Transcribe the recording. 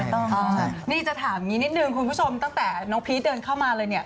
ต้องนี่จะถามอย่างนี้นิดนึงคุณผู้ชมตั้งแต่น้องพีชเดินเข้ามาเลยเนี่ย